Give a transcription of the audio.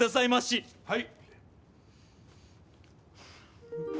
はい。